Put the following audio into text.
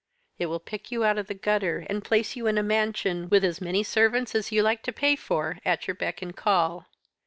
It will pick you out of the gutter, and place you in a mansion, with as many servants as you like to pay for at your beck and call.